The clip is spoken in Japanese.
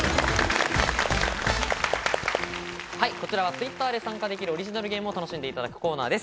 こちらはＴｗｉｔｔｅｒで参加できるオリジナルゲームを楽しんでいただくコーナーです。